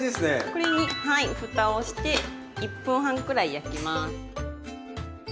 これにふたをして１分半くらい焼きます。